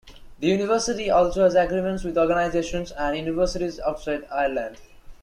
The university also has agreements with organisations and universities outside Ireland.